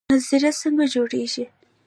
نظریه څنګه جوړیږي؟